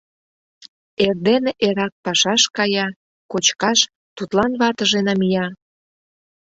Эрдене эрак пашаш кая, кочкаш, тудлан ватыже намия...